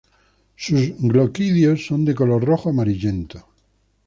Sus gloquidios son de color rojo amarillento.